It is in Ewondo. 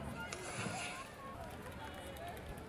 Laŋa e kan minlɔb man bəti a yəm.